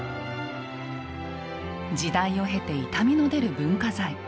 時代を経て傷みの出る文化財。